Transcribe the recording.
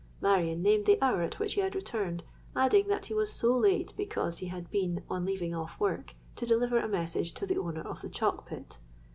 Marion named the hour at which he had returned; adding, that he was so late because he had been, on leaving off work, to deliver a message to the owner of the chalk pit.